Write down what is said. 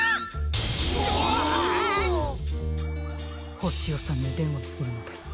ホシヨさんにでんわするのです！